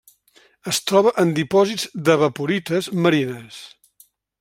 Es troba en dipòsits d'evaporites marines.